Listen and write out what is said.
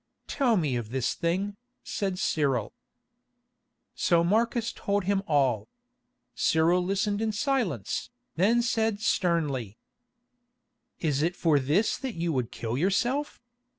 "Tell me of this thing," said Cyril. So Marcus told him all. Cyril listened in silence, then said sternly: "Is it for this that you would kill yourself?